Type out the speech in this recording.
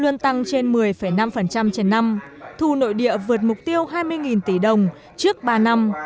nâng trên một mươi năm trên năm thù nội địa vượt mục tiêu hai mươi tỷ đồng trước ba năm